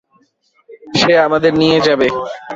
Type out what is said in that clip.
সে আমাদের নিয়ে যাবে।